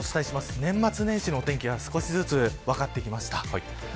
年末年始のお天気が少しずつ分かってきました。